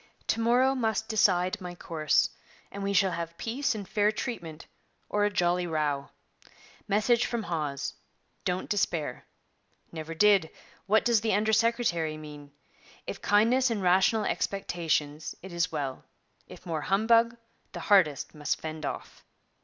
To morrow must decide my course, and we shall have peace and fair treatment, or a jolly row. Message from Hawes: "Don't despair." Never did: What does the under secretary mean? If kindness and rational expectations, it is well; if more humbug, the hardest must fend off.'